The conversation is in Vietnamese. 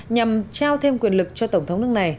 nhằm trao thêm quyền lực cho tổng thống nước này